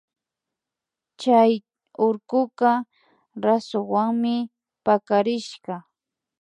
Chay urkuka rasuwanmi pakarishka